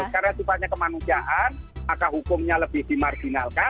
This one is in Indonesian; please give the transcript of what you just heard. karena sifatnya kemanusiaan maka hukumnya lebih dimarginalkan